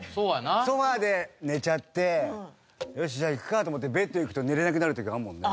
ソファで寝ちゃってよしじゃあ行くかと思ってベッド行くと寝れなくなる時あるもんね。